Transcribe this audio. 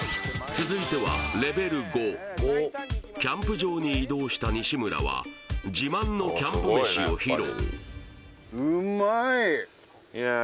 続いてはレベル５キャンプ場に移動した西村は自慢のキャンプ飯を披露